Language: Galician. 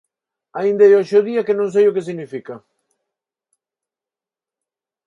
Aínda é hoxe o día que non sei o que significa.